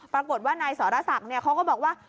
ปรากฏว่านายสรศักดิ์เขาก็บอกว่า